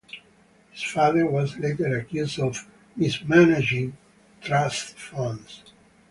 His father was later accused of mismanaging trust funds.